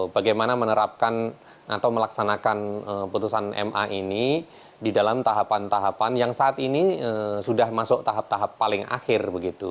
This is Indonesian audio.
bagaimana menerapkan atau melaksanakan putusan ma ini di dalam tahapan tahapan yang saat ini sudah masuk tahap tahap paling akhir begitu